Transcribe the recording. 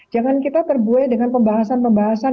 jangan kita terbuai dengan pembahasan pembahasan